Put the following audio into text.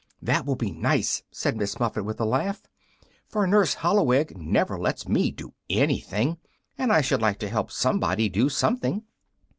"That will be nice," said Miss Muffet, with a laugh, "for Nurse Holloweg never lets me do anything, and I should like to help somebody do something."